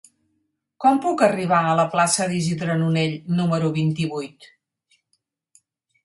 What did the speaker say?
Com puc arribar a la plaça d'Isidre Nonell número vint-i-vuit?